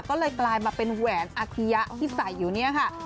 ก็เลยกลายมาเป็นแหวนอาคิยะที่ใส่อยู่เนี่ยค่ะ